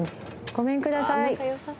ごめんください。